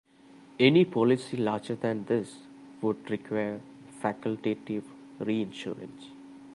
Any policy larger than this would require facultative reinsurance.